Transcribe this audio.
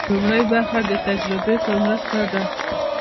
لومړۍ برخه د تجربې په مرسته ده.